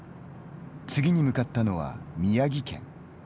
次に向かったのは宮城県。